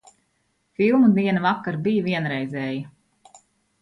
Filmu diena vakar bija vienreizēja.